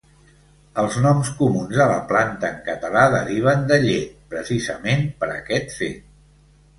Els noms comuns de la planta en català deriven de 'llet', precisament per aquest fet.